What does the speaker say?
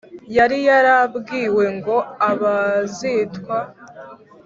yari yarabwiwe ngo abazitwa